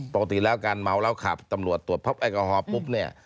ปกติแล้วการเมาแล้วขับตำรวจตรวจพบแอลกอฮอลปุ๊บเนี่ย